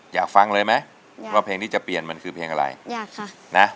อยากฟังเลยไหมว่าเพลงที่จะเปลี่ยนมันคือเพลงอะไรอยากค่ะนะ